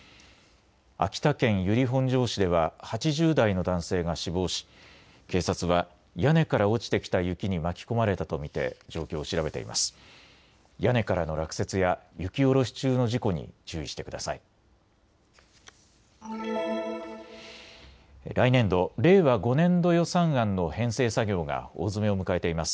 秋田県由利本荘市では８０代の男性が死亡し警察は屋根から落ちてきた雪に巻き込まれたと見て状況を調べています。